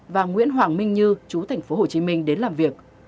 và nguyễn hoàng minh như chú thành phố hồ chí minh đến làm việc